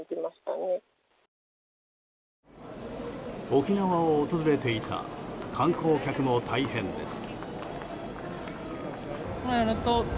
沖縄を訪れていた観光客も大変です。